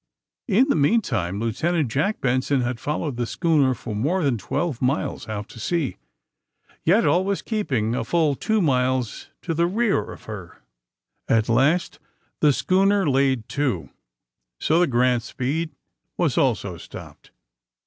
In the meantime. Lieutenant Jack Benson had followed the schooner for more than twelve miles out to sea, yet always keeping a full two miles to the rear of her. 170 THE SUBMAEINE BOYS At last the seliooner layed to. So the ''Grant's" speed was also stopped.